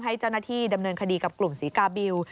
ให้เจ้าหน้าที่ดำเนินคดีกับกลุ่มศรีกาบิล